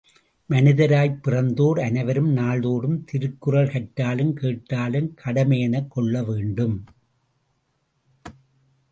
மனிதராய்ப் பிறந்தோர் அனைவரும் நாள்தோறும் திருக்குறள் கற்றலும் கேட்டலும் கடமையெனக் கொள்ள வேண்டும்.